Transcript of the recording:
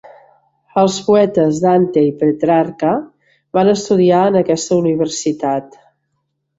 Els poetes Dante i Petrarca van estudiar en aquesta universitat.